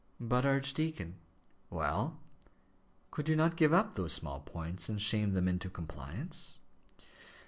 "But, archdeacon " "Well?" "Could you not give up those small points and shame them into compliance?"